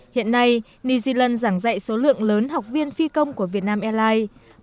hiện nay new zealand giảng dạy số lượng lớn học viên phi công của việt nam airlines